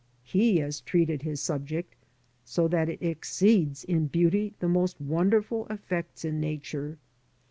He has treated his subject so that it exceeds in beauty the most wonderful effects in Nature.